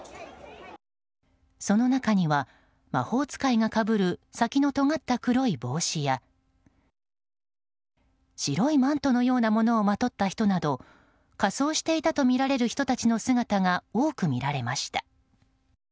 その中には魔法使いがかぶる先のとがった黒い帽子や白いマントのようなものをまとった人など仮装していたとみられる人たちの姿が多く見られました。